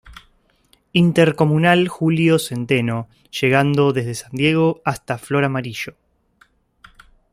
Intercomunal Julio Centeno, llegando desde San Diego hasta Flor Amarillo.